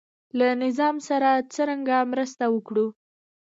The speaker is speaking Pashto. له ظالم سره څرنګه مرسته وکړو.